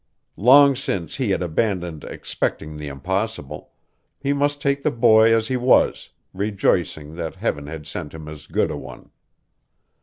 Long since he had abandoned expecting the impossible; he must take the boy as he was, rejoicing that Heaven had sent him as good a one.